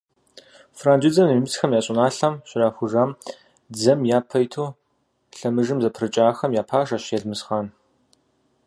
Франджыдзэм нэмыцэхэр я щӀыналъэм щрахужам, дзэм япэ иту лъэмыжым зэпрыкӀахэм я пашащ Елмэсхъан.